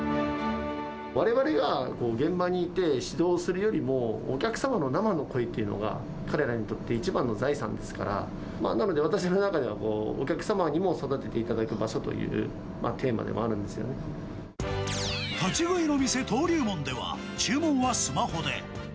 われわれが現場にいて、指導するよりも、お客様の生の声っていうのが、彼らにとって一番の財産ですから、なので、私の中では、お客様にも育てていただく場所というテーマでもあるんですよね。立ち食いの店、登龍門では、注文はスマホで。